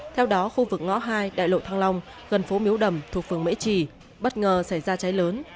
theo đó khu vực ngõ hai đại lộ thăng long gần phố miếu đầm thuộc phường mễ trì bất ngờ xảy ra cháy lớn